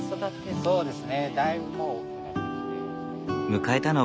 そうですね。